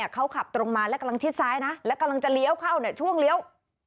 เขาขับตรงมาและกำลังชิดซ้ายนะและกำลังจะเลี้ยวเข้าช่วงเลี้ยว